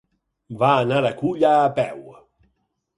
Va anar a Culla a peu.